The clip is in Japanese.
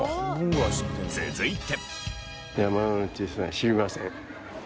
続いて。